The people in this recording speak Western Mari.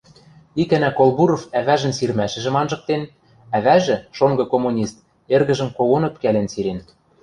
Икӓнӓ Колбуров ӓвӓжӹн сирмӓшӹжӹм анжыктен, ӓвӓжӹ, шонгы коммунист, эргӹжӹм когон ӧпкӓлен сирен.